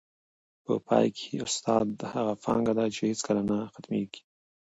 په پای کي، استاد هغه پانګه ده چي هیڅکله نه ختمېږي.